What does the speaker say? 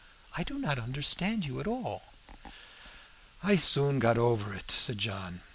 I do not understand you at all." "I soon got over it," said John.